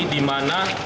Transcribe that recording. dimana salah satu partai